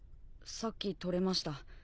さっき取れました。